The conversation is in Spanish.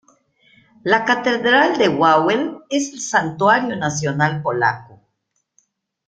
La Catedral de Wawel es el santuario nacional polaco.